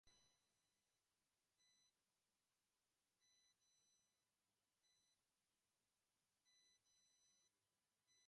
En uno de los lados se observa una depresión que pudo ser un aljibe.